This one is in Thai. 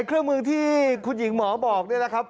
เครื่องมือที่คุณหญิงหมอบอกเนี่ยนะครับ